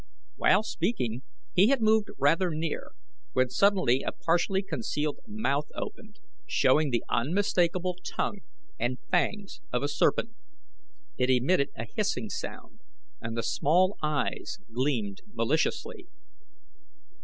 While speaking he had moved rather near, when suddenly a partially concealed mouth opened, showing the unmistakable tongue and fangs of a serpent. It emitted a hissing sound, and the small eyes gleamed maliciously.